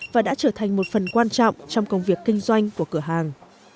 và đã trở thành một phần quan trọng trong công việc kinh doanh của cửa hàng